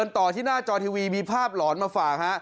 ต่อที่หน้าจอทีวีมีภาพหลอนมาฝากฮะ